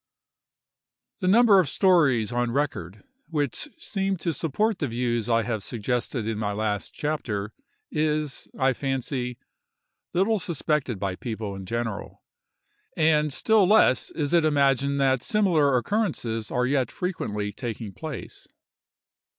THE number of stories on record, which seem to support the views I have suggested in my last chapter, is, I fancy, little suspected by people in general; and still less is it imagined that similar occurrences are yet frequently taking place.